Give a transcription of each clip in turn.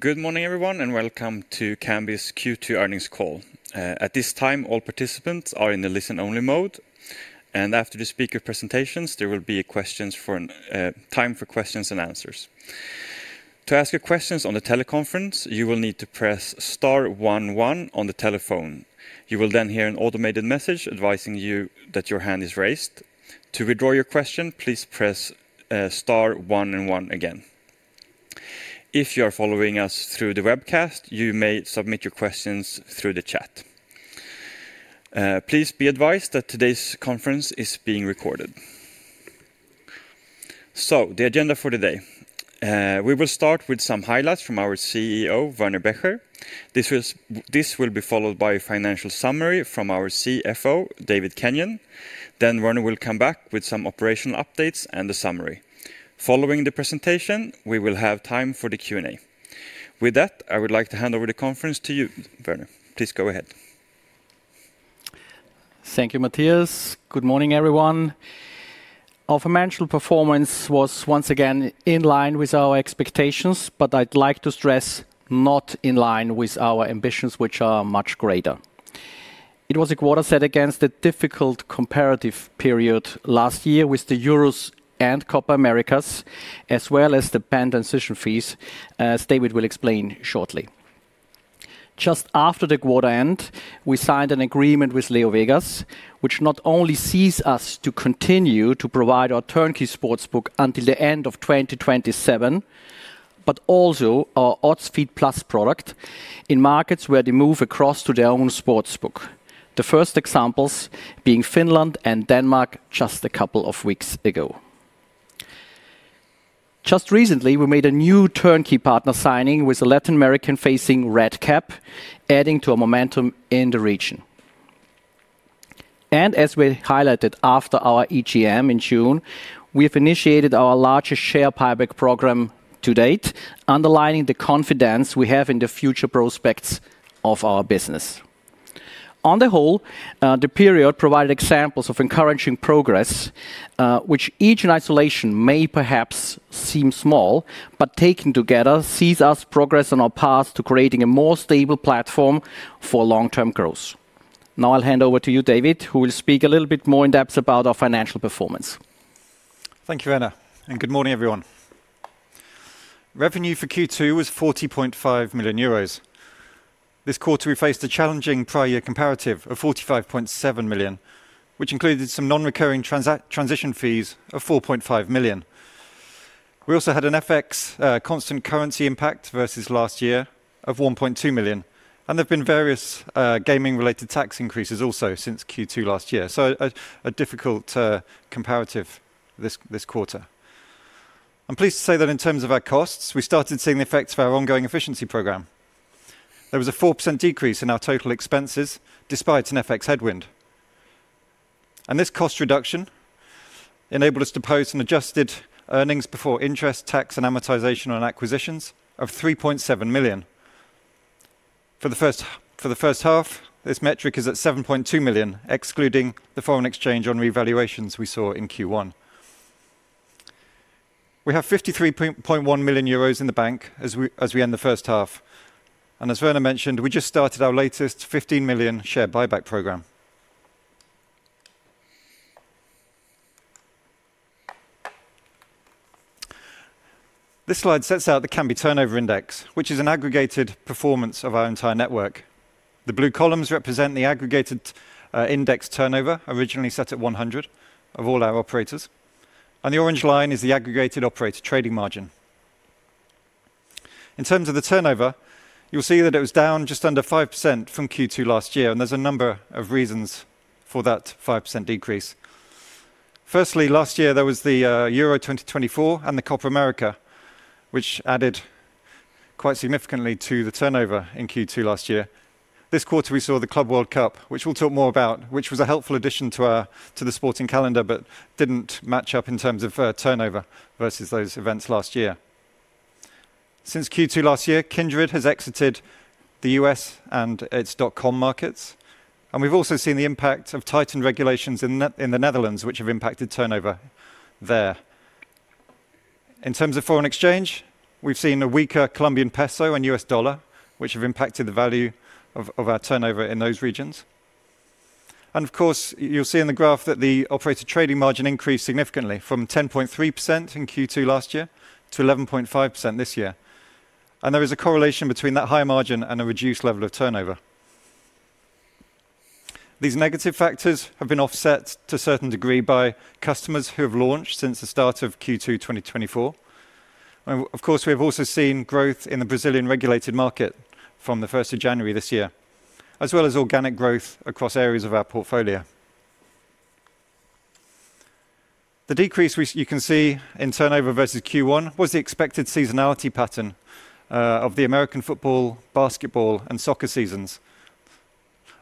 Good morning, everyone, and welcome to Kambi's Q2 earnings call. At this time, all participants are in the listen-only mode. After the speaker presentations, there will be time for questions and answers. To ask your questions on the teleconference, you will need to press *11 on the telephone. You will then hear an automated message advising you that your hand is raised. To withdraw your question, please press *11 again. If you are following us through the webcast, you may submit your questions through the chat. Please be advised that today's conference is being recorded. The agenda for today: we will start with some highlights from our CEO, Werner Becher. This will be followed by a financial summary from our CFO, David Kenyon. Werner will come back with some operational updates and a summary. Following the presentation, we will have time for the Q&A. With that, I would like to hand over the conference to you, Werner. Please go ahead. Thank you, Mattias. Good morning, everyone. Our financial performance was once again in line with our expectations, but I'd like to stress not in line with our ambitions, which are much greater. It was a quarter set against a difficult comparative period last year with the Euros and Copa Américas, as well as the pen transition fees, as David will explain shortly. Just after the quarter ended, we signed an agreement with LeoVegas, which not only sees us continue to provide our turnkey sportsbook until the end of 2027, but also our Odds Feed+ product in markets where they move across to their own sportsbook, the first examples being Finland and Denmark just a couple of weeks ago. Recently, we made a new turnkey partner signing with a Latin America-facing RedCap, adding to our momentum in the region. As we highlighted after our EGM in June, we've initiated our largest share buyback program to date, underlining the confidence we have in the future prospects of our business. On the whole, the period provided examples of encouraging progress, which each in isolation may perhaps seem small, but taken together sees us progress on our path to creating a more stable platform for long-term growth. Now I'll hand over to you, David, who will speak a little bit more in depth about our financial performance. Thank you, Werner, and good morning, everyone. Revenue for Q2 was €40.5 million. This quarter, we faced a challenging prior year comparative of €45.7 million, which included some non-recurring transition fees of €4.5 million. We also had an FX constant currency impact versus last year of €1.2 million. There have been various gaming-related tax increases also since Q2 last year, so a difficult comparative this quarter. I'm pleased to say that in terms of our costs, we started seeing the effects of our ongoing efficiency program. There was a 4% decrease in our total expenses despite an FX headwind. This cost reduction enabled us to post an adjusted EBITDA on acquisitions of €3.7 million. For the first half, this metric is at €7.2 million, excluding the foreign exchange on revaluations we saw in Q1. We have €53.1 million in the bank as we end the first half. As Werner mentioned, we just started our latest €15 million share buyback program. This slide sets out the Kambi turnover index, which is an aggregated performance of our entire network. The blue columns represent the aggregated index turnover, originally set at 100 of all our operators. The orange line is the aggregated operator trading margin. In terms of the turnover, you'll see that it was down just under 5% from Q2 last year. There are a number of reasons for that 5% decrease. Firstly, last year there was the Euro 2024 and the Copa América, which added quite significantly to the turnover in Q2 last year. This quarter, we saw the Club World Cup, which we'll talk more about, which was a helpful addition to the sporting calendar but didn't match up in terms of turnover versus those events last year. Since Q2 last year, Kindred has exited the U.S. and its Dotcom markets. We've also seen the impact of tightened regulations in the Netherlands, which have impacted turnover there. In terms of foreign exchange, we've seen a weaker Colombian peso and U.S. dollar, which have impacted the value of our turnover in those regions. You'll see in the graph that the operator trading margin increased significantly from 10.3% in Q2 last year to 11.5% this year. There is a correlation between that high margin and a reduced level of turnover. These negative factors have been offset to a certain degree by customers who have launched since the start of Q2 2024. Of course, we have also seen growth in the Brazilian regulated market from January 1 this year, as well as organic growth across areas of our portfolio. The decrease you can see in turnover versus Q1 was the expected seasonality pattern of the American football, basketball, and soccer seasons,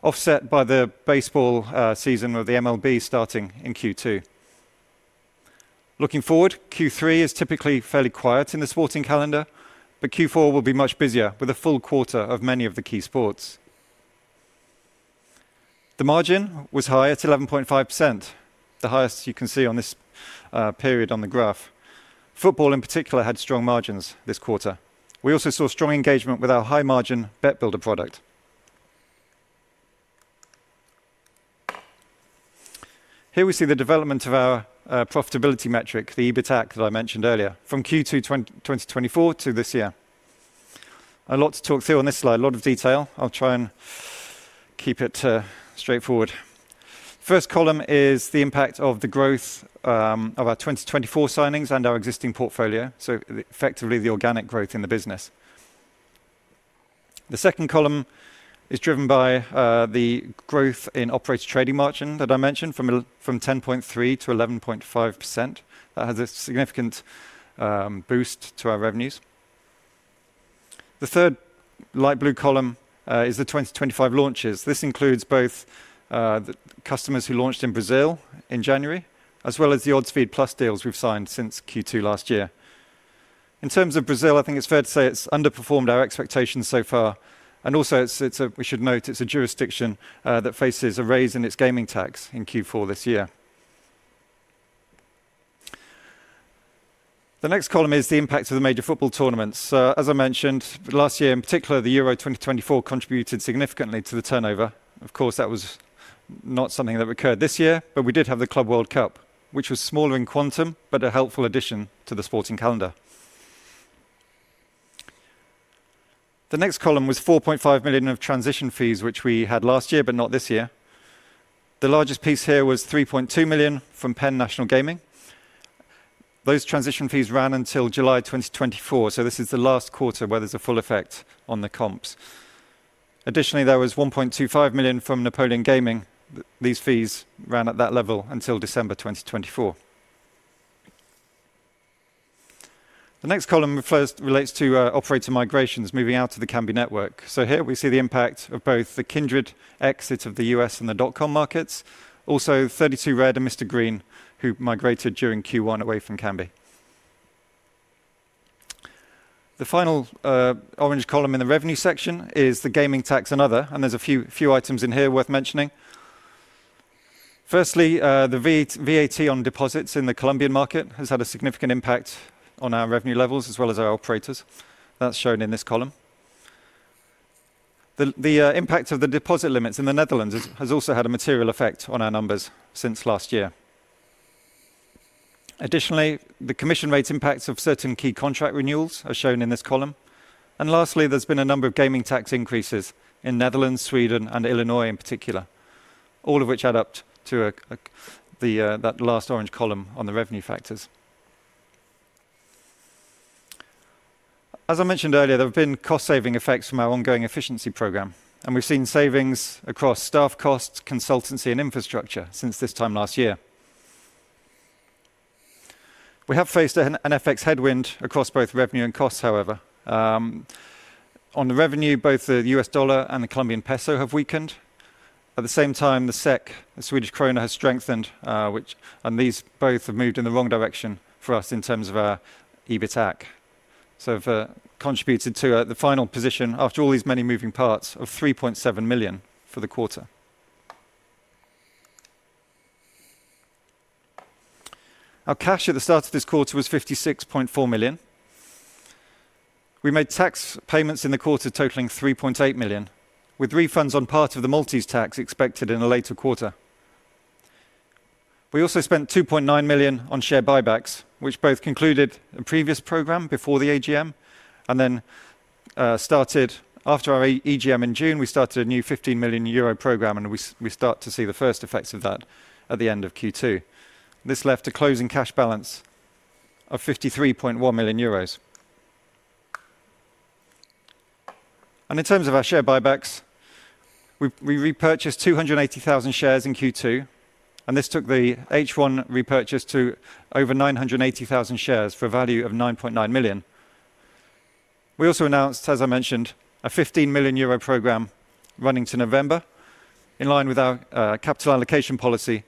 offset by the baseball season of the MLB starting in Q2. Looking forward, Q3 is typically fairly quiet in the sporting calendar, but Q4 will be much busier with a full quarter of many of the key sports. The margin was high at 11.5%, the highest you can see in this period on the graph. Football in particular had strong margins this quarter. We also saw strong engagement with our high-margin Bet Builder product. Here we see the development of our profitability metric, the EBITDA that I mentioned earlier, from Q2 2024 to this year. A lot to talk through on this slide, a lot of detail. I'll try and keep it straightforward. The first column is the impact of the growth of our 2024 signings and our existing portfolio, so effectively the organic growth in the business. The second column is driven by the growth in operator trading margin that I mentioned from 10.3%-11.5%. That has a significant boost to our revenues. The third light blue column is the 2025 launches. This includes both customers who launched in Brazil in January, as well as the Odds Feed+ deals we've signed since Q2 last year. In terms of Brazil, I think it's fair to say it's underperformed our expectations so far. We should also note it's a jurisdiction that faces a raise in its gaming tax in Q4 this year. The next column is the impact of the major football tournaments. As I mentioned, last year in particular, the Euro 2024 contributed significantly to the turnover. That was not something that recurred this year, but we did have the Club World Cup, which was smaller in quantum, but a helpful addition to the sporting calendar. The next column was $4.5 million of transition fees, which we had last year, but not this year. The largest piece here was $3.2 million from Penn National Gaming. Those transition fees ran until July 2024. This is the last quarter where there's a full effect on the comps. Additionally, there was $1.25 million from Napoleon Gaming. These fees ran at that level until December 2024. The next column first relates to operator migrations moving out of the Kambi network. Here we see the impact of both the Kindred exit of the U.S. and the Dotcom markets. Also, 32 Red and Mr. Green, who migrated during Q1 away from Kambi. The final orange column in the revenue section is the gaming tax and other, and there's a few items in here worth mentioning. Firstly, the VAT on deposits in the Colombian market has had a significant impact on our revenue levels, as well as our operators. That's shown in this column. The impact of the deposit limits in the Netherlands has also had a material effect on our numbers since last year. Additionally, the commission rates impacts of certain key contract renewals are shown in this column. Lastly, there's been a number of gaming tax increases in the Netherlands, Sweden, and Illinois in particular, all of which add up to that last orange column on the revenue factors. As I mentioned earlier, there have been cost-saving effects from our ongoing efficiency program. We've seen savings across staff costs, consultancy, and infrastructure since this time last year. We have faced an FX headwind across both revenue and costs, however. On the revenue, both the U.S. dollar and the Colombian peso have weakened. At the same time, the SEK, the Swedish krona, has strengthened, and these both have moved in the wrong direction for us in terms of our EBITDA. We've contributed to the final position after all these many moving parts of €3.7 million for the quarter. Our cash at the start of this quarter was €56.4 million. We made tax payments in the quarter totaling €3.8 million, with refunds on part of the Maltese tax expected in a later quarter. We also spent €2.9 million on share buybacks, which both concluded a previous program before the AGM and then started after our AGM in June. We started a new €15 million program, and we start to see the first effects of that at the end of Q2. This left a closing cash balance of €53.1 million. In terms of our share buybacks, we repurchased 280,000 shares in Q2, and this took the H1 repurchase to over 980,000 shares for a value of €9.9 million. We also announced, as I mentioned, a €15 million program running to November, in line with our capital allocation policy,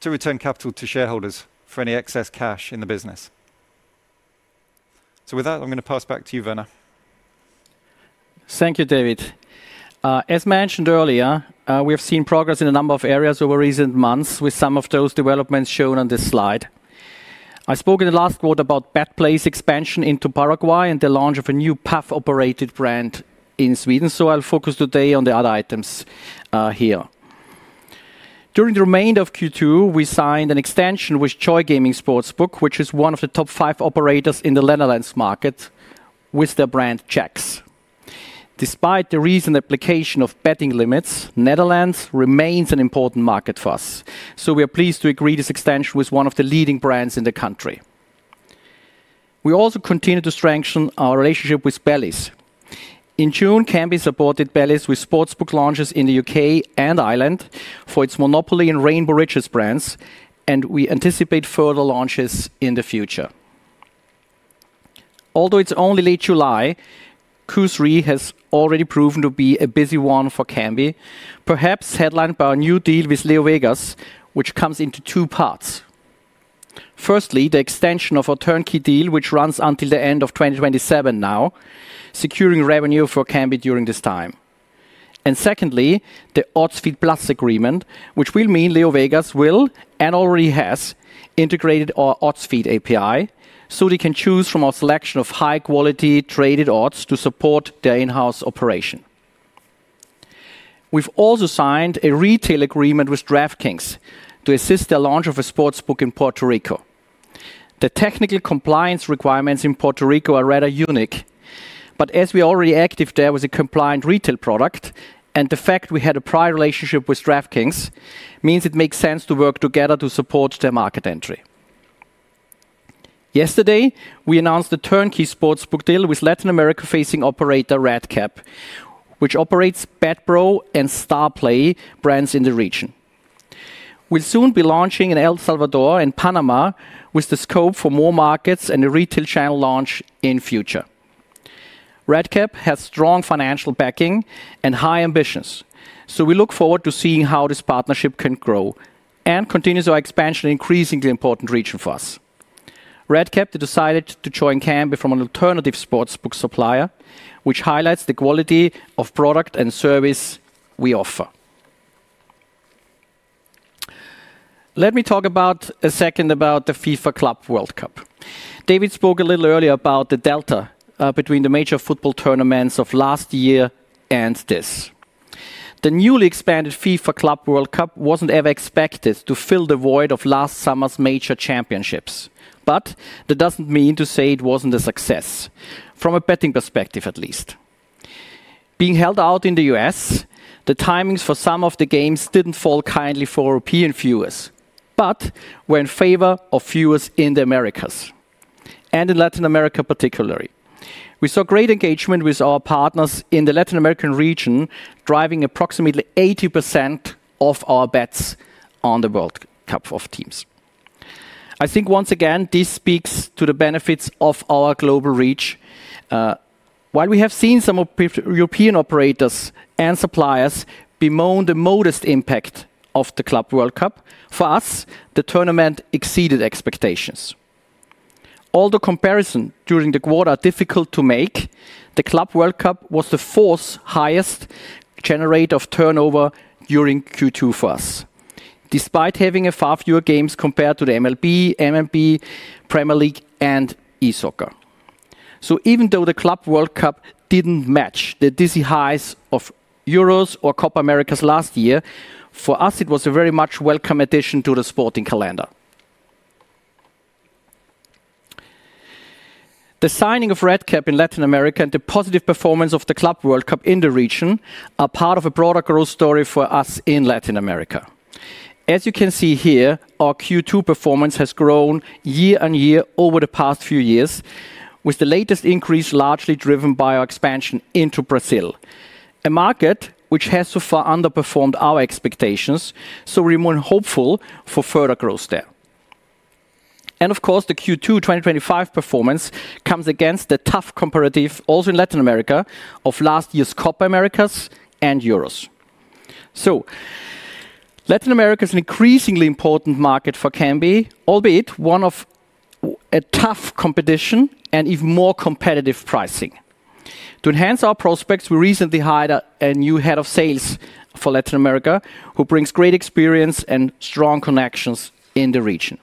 to return capital to shareholders for any excess cash in the business. With that, I'm going to pass back to you, Werner. Thank you, David. As mentioned earlier, we have seen progress in a number of areas over recent months, with some of those developments shown on this slide. I spoke in the last quarter about BadBro's expansion into Paraguay and the launch of a new PAF-operated brand in Sweden, so I'll focus today on the other items here. During the remainder of Q2, we signed an extension with Chex Gaming Sportsbook, which is one of the top five operators in the Netherlands market with their brand Chex. Despite the recent application of betting limits, the Netherlands remains an important market for us. We are pleased to agree this extension with one of the leading brands in the country. We also continue to strengthen our relationship with Betsson. In June, Kambi supported Betsson with sportsbook launches in the UK and Ireland for its Monopoly and Rainbow Riches brands, and we anticipate further launches in the future. Although it's only late July, Q3 has already proven to be a busy one for Kambi, perhaps headlined by a new deal with LeoVegas, which comes in two parts. Firstly, the extension of our turnkey sportsbook deal, which runs until the end of 2027 now, securing revenue for Kambi during this time. Secondly, the Odds Feed+ agreement, which will mean LeoVegas will and already has integrated our Odds Feed+ API so they can choose from our selection of high-quality traded odds to support their in-house operation. We've also signed a retail agreement with DraftKings to assist the launch of a sportsbook in Puerto Rico. The technical compliance requirements in Puerto Rico are rather unique, but as we are already active there with a compliant retail product, and the fact we had a prior relationship with DraftKings means it makes sense to work together to support their market entry. Yesterday, we announced the turnkey sportsbook deal with Latin America-facing operator RedCap, which operates BadBro and StarPlay brands in the region. We'll soon be launching in El Salvador and Panama, with the scope for more markets and a retail channel launch in the future. RedCap has strong financial backing and high ambitions, so we look forward to seeing how this partnership can grow and continue our expansion in an increasingly important region for us. RedCap decided to join Kambi from an alternative sportsbook supplier, which highlights the quality of product and service we offer. Let me talk for a second about the FIFA Club World Cup. David spoke a little earlier about the delta between the major football tournaments of last year and this. The newly expanded FIFA Club World Cup wasn't ever expected to fill the void of last summer's major championships, but that doesn't mean to say it wasn't a success, from a betting perspective at least. Being held out in the U.S., the timings for some of the games didn't fall kindly for European viewers, but were in favor of viewers in the Americas, and in Latin America particularly. We saw great engagement with our partners in the Latin American region, driving approximately 80% of our bets on the World Cup of teams. I think once again, this speaks to the benefits of our global reach. While we have seen some European operators and suppliers bemoan the modest impact of the Club World Cup, for us, the tournament exceeded expectations. Although comparison during the quarter was difficult to make, the Club World Cup was the fourth highest generator of turnover during Q2 for us, despite having far fewer games compared to the MLB, Premier League, and eSoccer. Even though the Club World Cup didn't match the dizzy highs of Euros or Copa Américas last year, for us, it was a very much welcome addition to the sporting calendar. The signing of RedCap in Latin America and the positive performance of the Club World Cup in the region are part of a broader growth story for us in Latin America. As you can see here, our Q2 performance has grown year on year over the past few years, with the latest increase largely driven by our expansion into Brazil, a market which has so far underperformed our expectations, so we remain hopeful for further growth there. Of course, the Q2 2025 performance comes against the tough comparative, also in Latin America, of last year's Copa Américas and Euros. Latin America is an increasingly important market for Kambi, albeit one of a tough competition and even more competitive pricing. To enhance our prospects, we recently hired a new Head of Sales for Latin America, who brings great experience and strong connections in the region.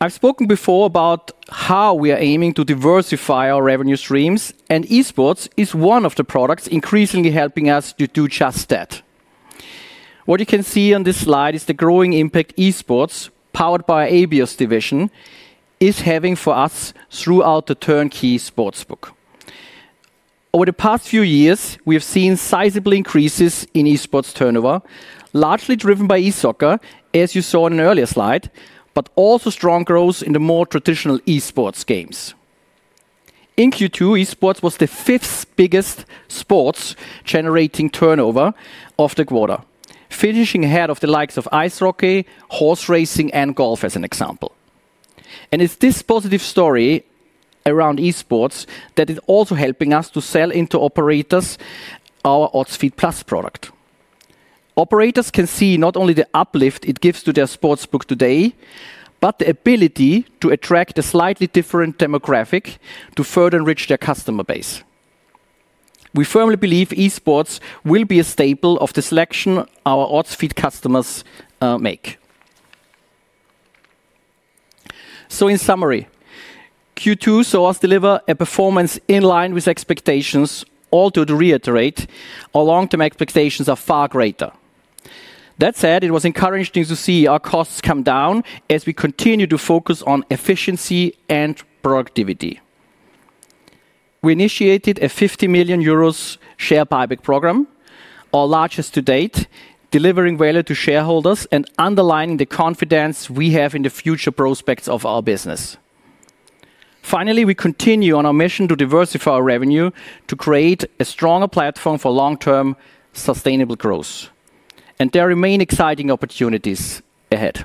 I've spoken before about how we are aiming to diversify our revenue streams, and eSports is one of the products increasingly helping us to do just that. What you can see on this slide is the growing impact eSports, powered by our ABIOS division, is having for us throughout the turnkey sportsbook. Over the past few years, we have seen sizable increases in eSports turnover, largely driven by eSoccer, as you saw in an earlier slide, but also strong growth in the more traditional eSports games. In Q2, eSports was the fifth biggest sports-generating turnover of the quarter, finishing ahead of the likes of Ice Hockey, horse racing, and golf as an example. It is this positive story around eSports that is also helping us to sell into operators our Odds Feed+ product. Operators can see not only the uplift it gives to their sportsbook today, but the ability to attract a slightly different demographic to further enrich their customer base. We firmly believe eSports will be a staple of the selection our Odds Feed+ customers make. In summary, Q2 saw us deliver a performance in line with expectations, although to reiterate, our long-term expectations are far greater. That said, it was encouraging to see our costs come down as we continue to focus on efficiency and productivity. We initiated a €50 million share buyback program, our largest to date, delivering value to shareholders and underlining the confidence we have in the future prospects of our business. Finally, we continue on our mission to diversify our revenue to create a stronger platform for long-term sustainable growth. There remain exciting opportunities ahead.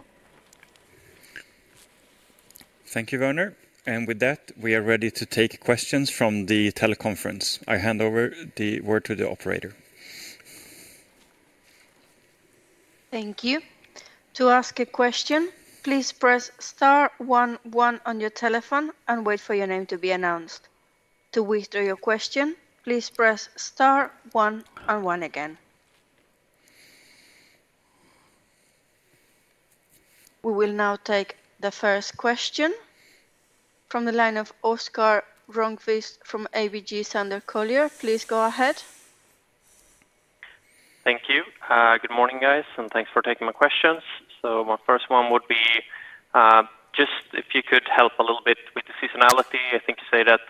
Thank you, Werner. With that, we are ready to take questions from the teleconference. I hand over the word to the operator. Thank you. To ask a question, please press *11 on your telephone and wait for your name to be announced. To withdraw your question, please press *11 again. We will now take the first question from the line of Oskar Rongkvist from ABG Sundal Collier. Please go ahead. Thank you. Good morning, guys, and thanks for taking my questions. My first one would be just if you could help a little bit with the seasonality. I think you say that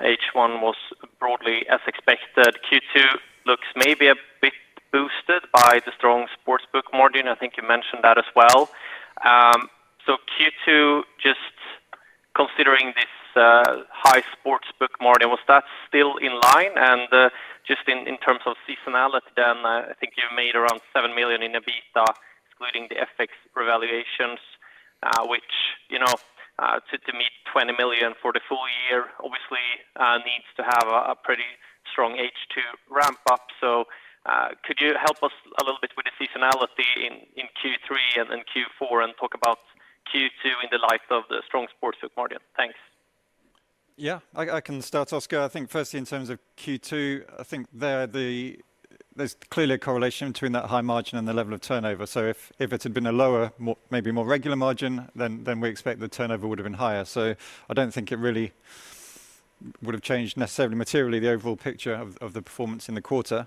H1 was broadly as expected. Q2 looks maybe a bit boosted by the strong sportsbook margin. I think you mentioned that as well. Q2, just considering this high sportsbook margin, was that still in line? In terms of seasonality, I think you made around $7 million in EBITDA, excluding the FX revaluations, which, you know, to meet $20 million for the full year, obviously needs to have a pretty strong H2 ramp up. Could you help us a little bit with the seasonality in Q3 and Q4 and talk about Q2 in the light of the strong sportsbook margin? Thanks. Yeah, I can start, Oskar. I think firstly, in terms of Q2, I think there's clearly a correlation between that high margin and the level of turnover. If it had been a lower, maybe more regular margin, then we expect the turnover would have been higher. I don't think it really would have changed necessarily materially the overall picture of the performance in the quarter.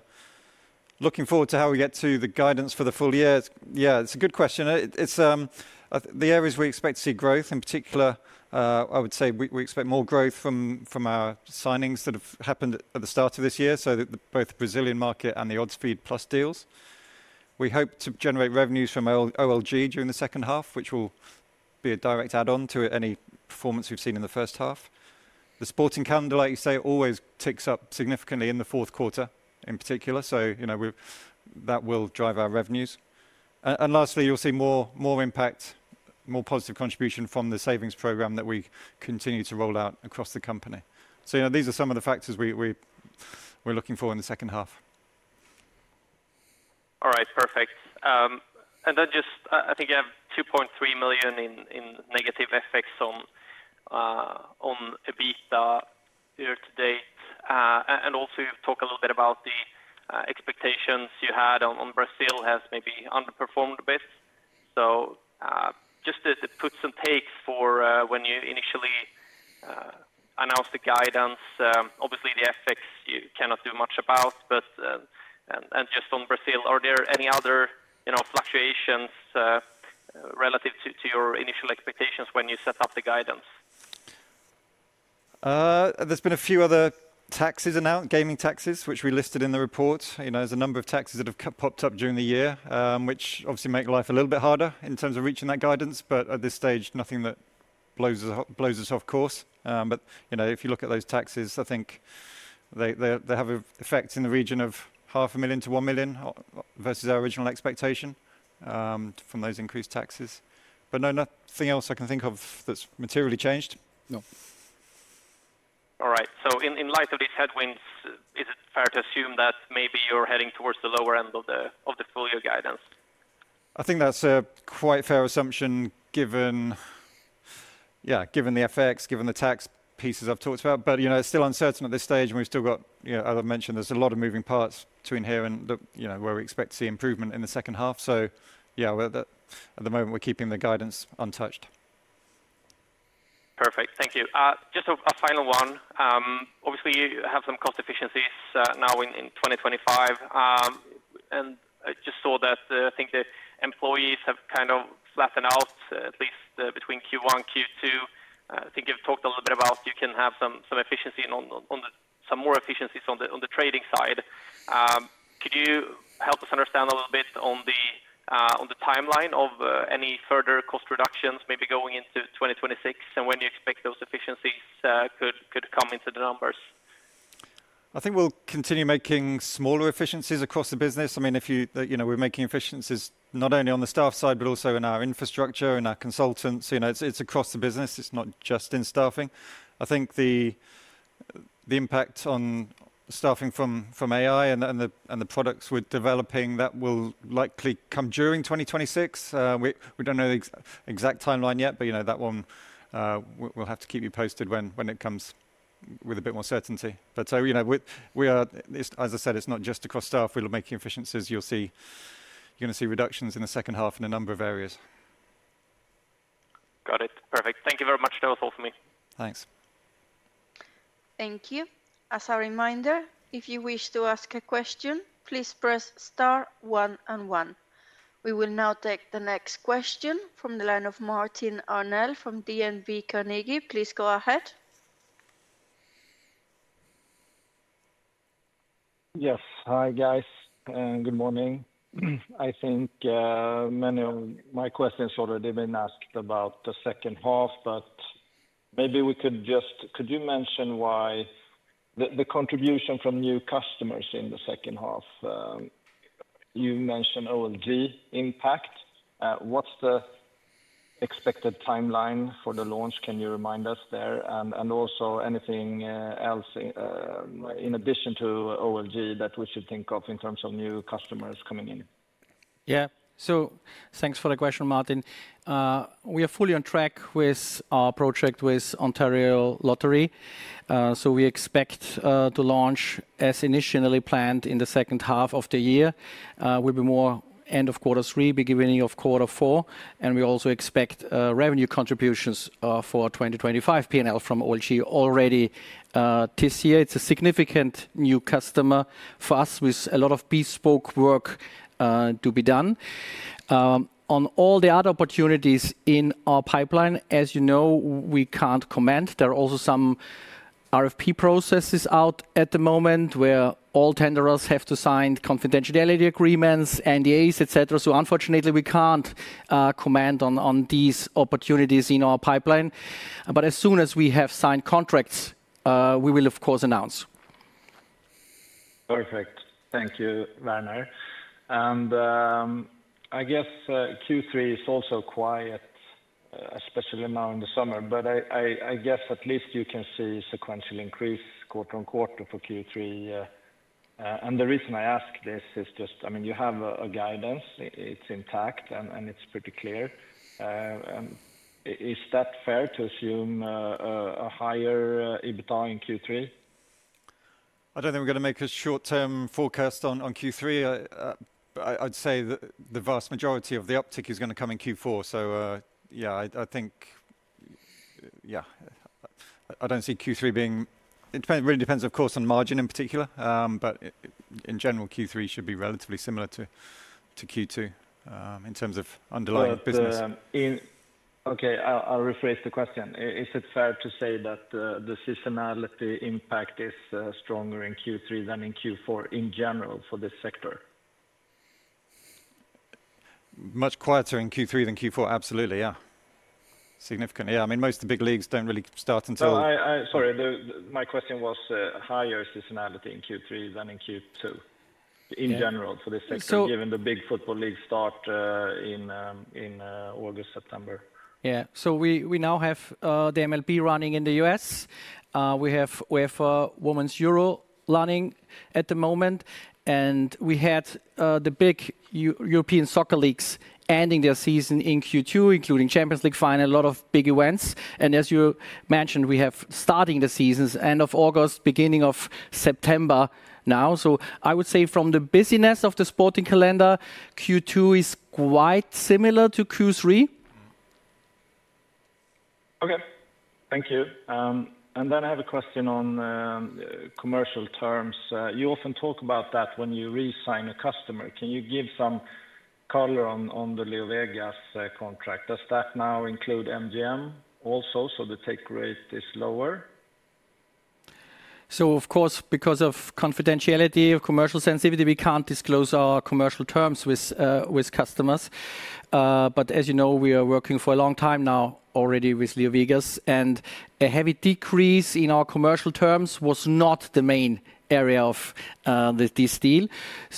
Looking forward to how we get to the guidance for the full year, it's a good question. The areas we expect to see growth, in particular, I would say we expect more growth from our signings that have happened at the start of this year, so that both the Brazilian market and the Odds Feed+ deals. We hope to generate revenues from Ontario Lottery and Gaming Corporation during the second half, which will be a direct add-on to any performance we've seen in the first half. The sporting calendar, like you say, always ticks up significantly in the fourth quarter in particular. That will drive our revenues. Lastly, you'll see more impact, more positive contribution from the savings program that we continue to roll out across the company. These are some of the factors we're looking for in the second half. All right, perfect. I think you have 2.3 million in negative effects on adjusted EBITDA year to date. You also talk a little bit about the expectations you had on Brazil has maybe underperformed a bit. Just the puts and takes for when you initially announced the guidance. Obviously, the FX you cannot do much about. Just on Brazil, are there any other fluctuations relative to your initial expectations when you set up the guidance? have been a few other taxes announced, gaming taxes, which we listed in the report. There's a number of taxes that have popped up during the year, which obviously make life a little bit harder in terms of reaching that guidance. At this stage, nothing that blows us off course. If you look at those taxes, I think they have an effect in the region of EUR500,000-EUR1 million versus our original expectation from those increased taxes. No, nothing else I can think of that's materially changed. All right. In light of these headwinds, is it fair to assume that maybe you're heading towards the lower end of the full year guidance? I think that's a quite fair assumption given the FX, given the tax pieces I've talked about. You know, it's still uncertain at this stage and we've still got, as I mentioned, there's a lot of moving parts to inherent that, where we expect to see improvement in the second half. At the moment, we're keeping the guidance untouched. Perfect. Thank you. Just a final one. Obviously, you have some cost efficiencies now in 2025. I just saw that I think the employees have kind of flattened out at least between Q1 and Q2. I think you've talked a little bit about you can have some efficiency on some more efficiencies on the trading side. Could you help us understand a little bit on the timeline of any further cost reductions maybe going into 2026 and when you expect those efficiencies could come into the numbers? I think we'll continue making smaller efficiencies across the business. I mean, if you, you know, we're making efficiencies not only on the staff side, but also in our infrastructure, in our consultants. It's across the business. It's not just in staffing. I think the impact on staffing from AI and the products we're developing, that will likely come during 2026. We don't know the exact timeline yet, but that one we'll have to keep you posted when it comes with a bit more certainty. As I said, it's not just across staff. We'll be making efficiencies. You're going to see reductions in the second half in a number of areas. Got it. Perfect. Thank you very much. That was all for me. Thanks. Thank you. As a reminder, if you wish to ask a question, please press *11. We will now take the next question from the line of Martin Arnell from DNB Carnegie. Please go ahead. Yes, hi guys, and good morning. I think many of my questions have already been asked about the second half, but maybe we could just, could you mention why the contribution from new customers in the second half? You mentioned OLG impact. What's the expected timeline for the launch? Can you remind us there? Also, anything else in addition to OLG that we should think of in terms of new customers coming in? Thanks for the question, Martin. We are fully on track with our project with Ontario Lottery and Gaming Corporation. We expect to launch as initially planned in the second half of the year, more end of quarter three, beginning of quarter four. We also expect revenue contributions for 2025 P&L from OLG already this year. It's a significant new customer for us with a lot of bespoke work to be done. On all the other opportunities in our pipeline, as you know, we can't comment. There are also some RFP processes out at the moment where all tenderers have to sign confidentiality agreements, NDAs, etc. Unfortunately, we can't comment on these opportunities in our pipeline. As soon as we have signed contracts, we will, of course, announce. Perfect. Thank you, Werner. I guess Q3 is also quiet, especially now in the summer. I guess at least you can see a sequential increase quarter on quarter for Q3. The reason I ask this is just, I mean, you have a guidance. It's intact and it's pretty clear. Is that fair to assume a higher EBITDA in Q3? I don't think we're going to make a short-term forecast on Q3. I'd say the vast majority of the uptick is going to come in Q4. I think, yeah, I don't see Q3 being, it really depends, of course, on margin in particular. In general, Q3 should be relatively similar to Q2 in terms of underlying business. Okay, I'll rephrase the question. Is it fair to say that the seasonality impact is stronger in Q3 than in Q4 in general for this sector? Much quieter in Q3 than Q4, absolutely, yeah. Significantly, yeah. Most of the big leagues don't really start until... Sorry, my question was higher seasonality in Q3 than in Q2 in general for this sector, given the big football leagues start in August, September. Yeah, we now have the MLB running in the U.S. We have a Women's Euro running at the moment. We had the big European soccer leagues ending their season in Q2, including Champions League final, a lot of big events. As you mentioned, we have starting the seasons end of August, beginning of September now. I would say from the busyness of the sporting calendar, Q2 is quite similar to Q3. Thank you. I have a question on commercial terms. You often talk about that when you re-sign a customer. Can you give some color on the LeoVegas contract? Does that now include MGM also so the take rate is lower? Of course, because of confidentiality or commercial sensitivity, we can't disclose our commercial terms with customers. As you know, we are working for a long time now already with LeoVegas, and a heavy decrease in our commercial terms was not the main area of this deal.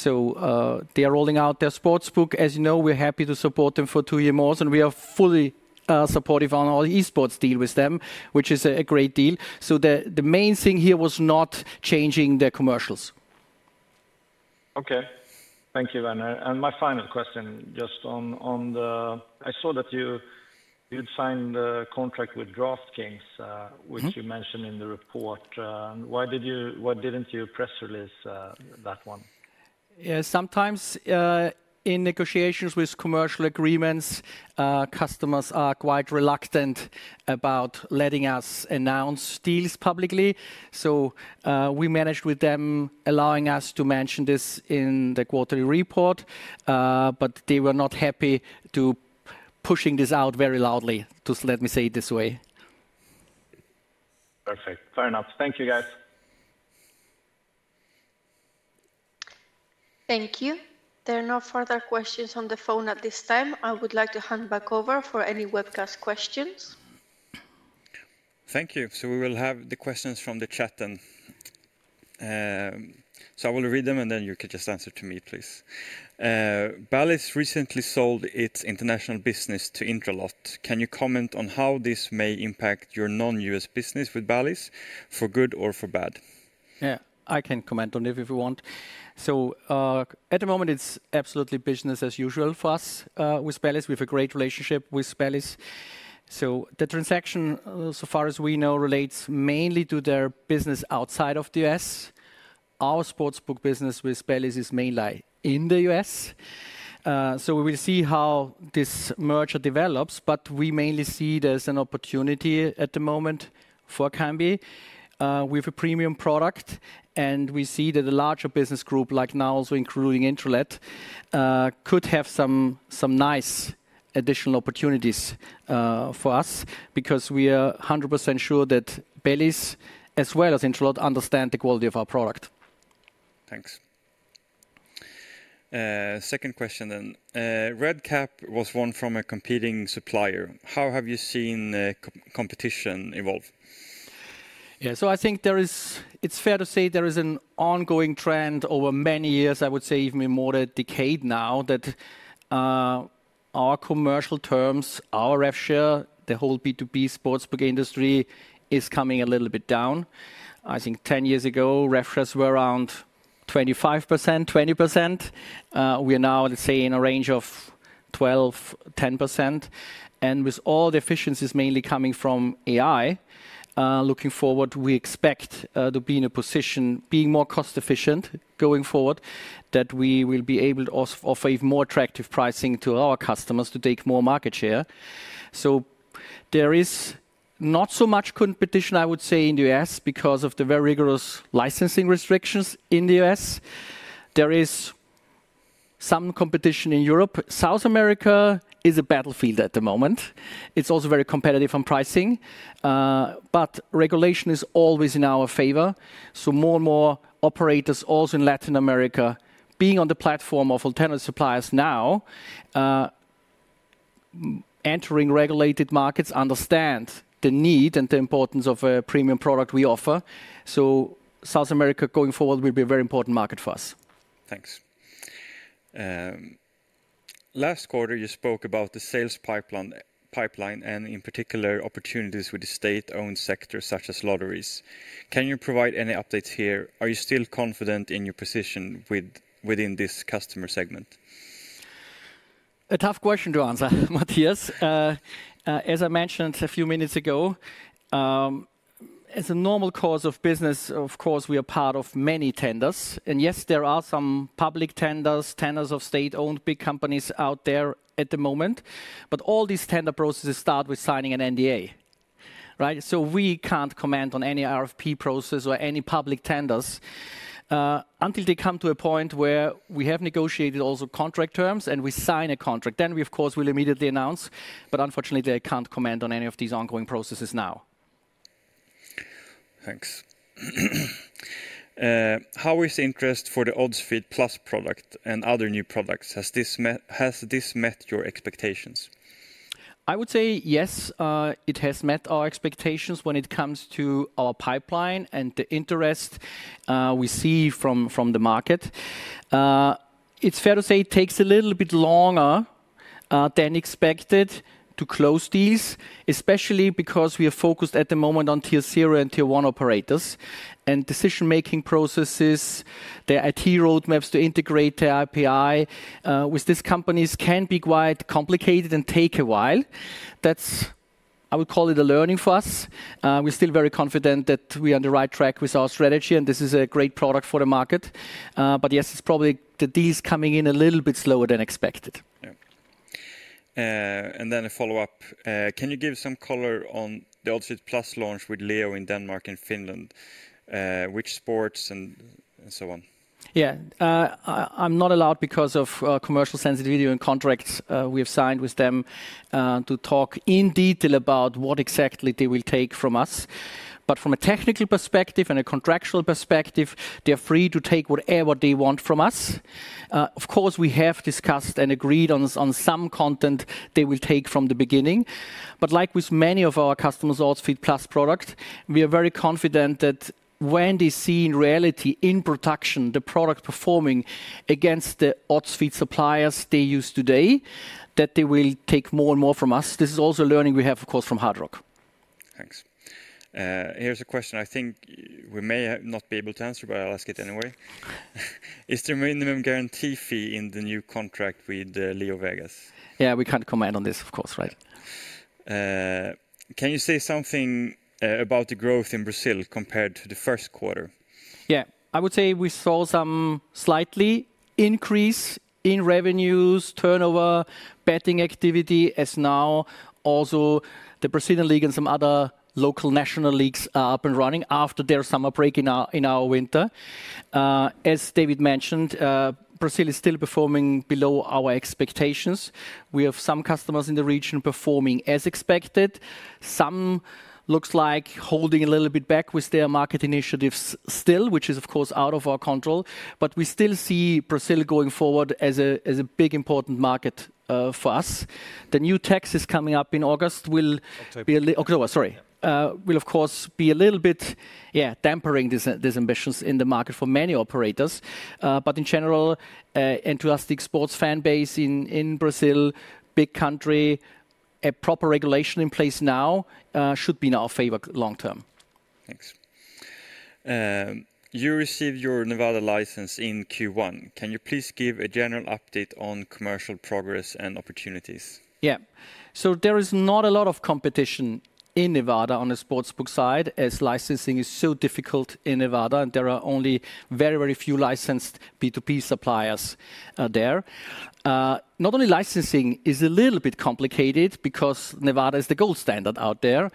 They are rolling out their sportsbook. As you know, we're happy to support them for two years more, and we are fully supportive on our eSports deal with them, which is a great deal. The main thing here was not changing their commercials. Thank you, Werner. My final question, just on the... I saw that you did sign the contract with DraftKings, which you mentioned in the report. Why did you... why didn't you press release that one? Yeah, sometimes in negotiations with commercial agreements, customers are quite reluctant about letting us announce deals publicly. We managed with them allowing us to mention this in the quarterly report. They were not happy to push this out very loudly, just let me say it this way. Perfect. Fair enough. Thank you, guys. Thank you. There are no further questions on the phone at this time. I would like to hand back over for any webcast questions. Thank you. We will have the questions from the chat then. I will read them and then you can just answer to me, please. Bally's recently sold its international business to Intralot. Can you comment on how this may impact your non-U.S. business with Bally's for good or for bad? Yeah, I can comment on it if you want. At the moment, it's absolutely business as usual for us with Bally's. We have a great relationship with Bally's. The transaction, so far as we know, relates mainly to their business outside of the U.S. Our sportsbook business with Bally's is mainly in the U.S. We will see how this merger develops, but we mainly see it as an opportunity at the moment for Kambi. We have a premium product, and we see that a larger business group, like now also including Intralot, could have some nice additional opportunities for us because we are 100% sure that Bally's, as well as Intralot, understand the quality of our product. Thanks. Second question then. RedCap was one from a competing supplier. How have you seen competition evolve? I think there is, it's fair to say there is an ongoing trend over many years, I would say even more than a decade now, that our commercial terms, our ref share, the whole B2B sportsbook industry is coming a little bit down. I think 10 years ago, ref shares were around 25%, 20%. We are now, let's say, in a range of 12%, 10%. With all the efficiencies mainly coming from AI, looking forward, we expect to be in a position, being more cost-efficient going forward, that we will be able to offer even more attractive pricing to our customers to take more market share. There is not so much competition, I would say, in the U.S. because of the very rigorous licensing restrictions in the U.S. There is some competition in Europe. South America is a battlefield at the moment. It's also very competitive on pricing. Regulation is always in our favor. More and more operators, also in Latin America, being on the platform of alternative suppliers now, entering regulated markets, understand the need and the importance of a premium product we offer. South America going forward will be a very important market for us. Thanks. Last quarter, you spoke about the sales pipeline and in particular opportunities with the state-owned sector, such as lotteries. Can you provide any updates here? Are you still confident in your position within this customer segment? A tough question to answer, Mattias. As I mentioned a few minutes ago, as a normal course of business, of course, we are part of many tenders. Yes, there are some public tenders, tenders of state-owned big companies out there at the moment. All these tender processes start with signing an NDA, right? We can't comment on any RFP process or any public tenders until they come to a point where we have negotiated also contract terms and we sign a contract. We, of course, will immediately announce. Unfortunately, I can't comment on any of these ongoing processes now. Thanks. How is the interest for the Odds Feed+ product and other new products? Has this met your expectations? I would say yes, it has met our expectations when it comes to our pipeline and the interest we see from the market. It's fair to say it takes a little bit longer than expected to close these, especially because we are focused at the moment on Tier 0 and Tier 1 operators. Decision-making processes and their IT roadmaps to integrate their API with these companies can be quite complicated and take a while. I would call it a learning for us. We're still very confident that we are on the right track with our strategy and this is a great product for the market. Yes, it's probably that these are coming in a little bit slower than expected. Can you give some color on the Odds Feed+ launch with LeoVegas in Denmark and Finland? Which sports and so on? I'm not allowed because of commercial sensitivity and contracts we've signed with them to talk in detail about what exactly they will take from us. From a technical perspective and a contractual perspective, they're free to take whatever they want from us. Of course, we have discussed and agreed on some content they will take from the beginning. Like with many of our customers' Odds Feed+ product, we are very confident that when they see in reality in production the product performing against the Odds Feed+ suppliers they use today, they will take more and more from us. This is also a learning we have, of course, from Hard Rock Digital. Thanks. Here's a question I think we may not be able to answer, but I'll ask it anyway. Is there a minimum guarantee fee in the new contract with LeoVegas? Yeah, we can't comment on this, of course, right? Can you say something about the growth in Brazil compared to the first quarter? Yeah, I would say we saw some slight increase in revenues, turnover, betting activity, as now also the Brazilian League and some other local national leagues are up and running after their summer break in our winter. As David mentioned, Brazil is still performing below our expectations. We have some customers in the region performing as expected. Some look like holding a little bit back with their market initiatives still, which is, of course, out of our control. We still see Brazil going forward as a big, important market for us. The new taxes coming up in August—October, sorry—will, of course, be a little bit, yeah, dampening these ambitions in the market for many operators. In general, enthusiastic sports fan base in Brazil, big country, a proper regulation in place now should be in our favor long term. Thanks. You received your Nevada license in Q1. Can you please give a general update on commercial progress and opportunities? There is not a lot of competition in Nevada on the sportsbook side, as licensing is so difficult in Nevada, and there are only very, very few licensed B2B suppliers there. Not only is licensing a little bit complicated because Nevada is the gold standard out there,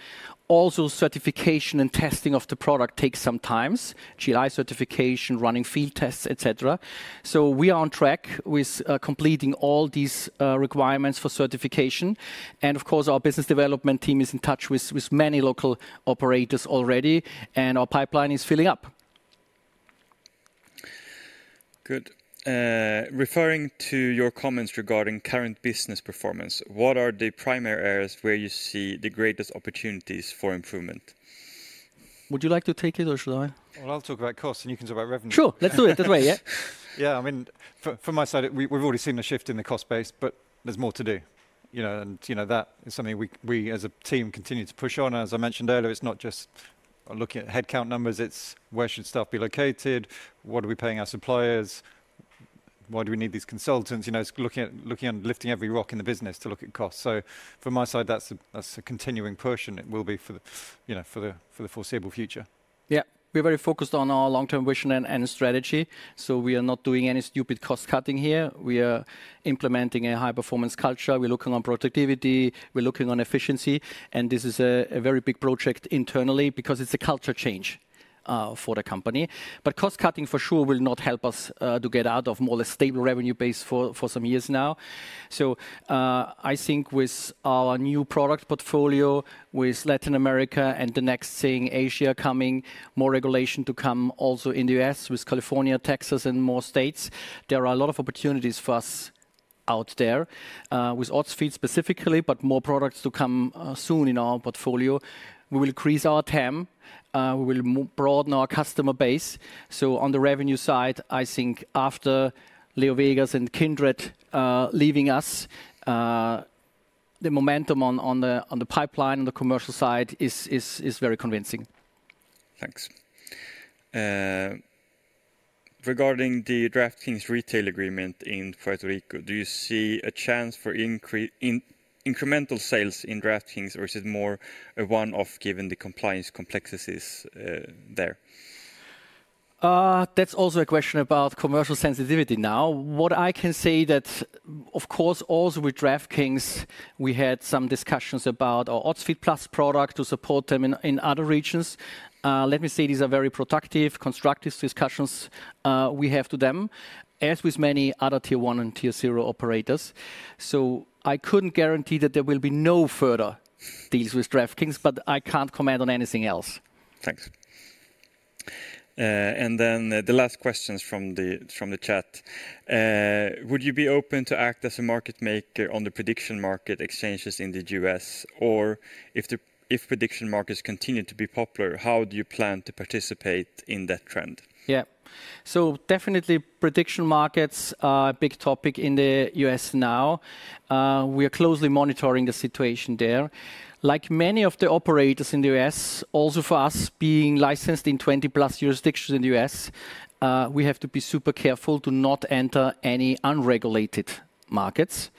certification and testing of the product take some time: GLI certification, running field tests, etc. We are on track with completing all these requirements for certification. Of course, our business development team is in touch with many local operators already, and our pipeline is filling up. Good. Referring to your comments regarding current business performance, what are the primary areas where you see the greatest opportunities for improvement? Would you like to take it, or should I? I'll talk about cost and you can talk about revenue. Sure, let's do it that way, yeah. Yeah, I mean, from my side, we've already seen a shift in the cost base, but there's more to do. You know, that is something we as a team continue to push on. As I mentioned earlier, it's not just looking at headcount numbers, it's where should stuff be located, what are we paying our suppliers, why do we need these consultants, you know, looking at lifting every rock in the business to look at costs. From my side, that's a continuing push and it will be for the foreseeable future. Yeah, we're very focused on our long-term vision and strategy, so we are not doing any stupid cost cutting here. We are implementing a high-performance culture. We're looking at productivity, we're looking at efficiency, and this is a very big project internally because it's a culture change for the company. Cost cutting for sure will not help us to get out of more or less stable revenue base for some years now. I think with our new product portfolio, with Latin America and the next thing, Asia coming, more regulation to come also in the U.S., with California, Texas, and more states, there are a lot of opportunities for us out there. With Odds Feed+ specifically, but more products to come soon in our portfolio, we will increase our TAM, we will broaden our customer base. On the revenue side, I think after LeoVegas and Kindred leaving us, the momentum on the pipeline on the commercial side is very convincing. Thanks. Regarding the DraftKings retail agreement in Puerto Rico, do you see a chance for incremental sales in DraftKings, or is it more a one-off given the compliance complexities there? That's also a question about commercial sensitivity now. What I can say is that, of course, also with DraftKings, we had some discussions about our Odds Feed+ product to support them in other regions. Let me say these are very productive, constructive discussions we have to them, as with many other Tier 1 and Tier 0 operators. I couldn't guarantee that there will be no further deals with DraftKings, but I can't comment on anything else. Thanks. The last question is from the chat. Would you be open to act as a market maker on the prediction market exchanges in the U.S., or if prediction markets continue to be popular, how do you plan to participate in that trend? Yeah, definitely prediction markets are a big topic in the U.S. now. We are closely monitoring the situation there. Like many of the operators in the U.S., also for us being licensed in 20+ jurisdictions in the U.S., we have to be super careful to not enter any unregulated markets.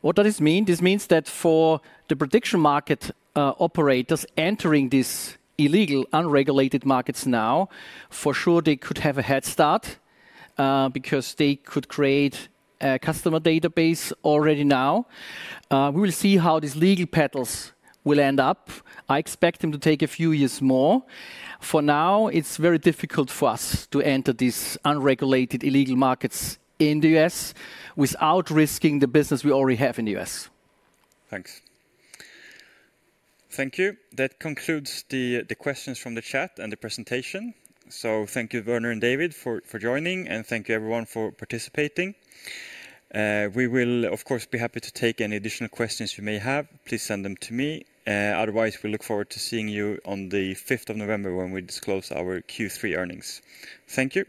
What does this mean? This means that for the prediction market operators entering these illegal unregulated markets now, for sure they could have a head start because they could create a customer database already now. We will see how these legal petals will end up. I expect them to take a few years more. For now, it's very difficult for us to enter these unregulated illegal markets in the U.S. without risking the business we already have in the U.S. Thanks. Thank you. That concludes the questions from the chat and the presentation. Thank you, Werner and David, for joining, and thank you everyone for participating. We will, of course, be happy to take any additional questions you may have. Please send them to me. Otherwise, we look forward to seeing you on the 5th of November when we disclose our Q3 earnings. Thank you.